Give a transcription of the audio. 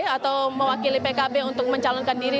atau mewakili pkb untuk mencalonkan diri